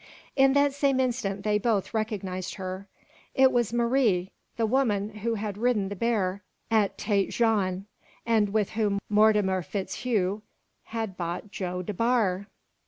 In that same instant they both recognized her. It was Marie, the woman who had ridden the bear at Tête Jaune, and with whom Mortimer FitzHugh had bought Joe DeBar!